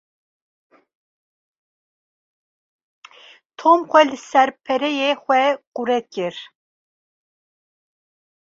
Tom xwe li ser pereyê xwe qure kir.